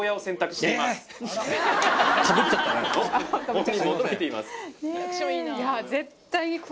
本人も驚いています。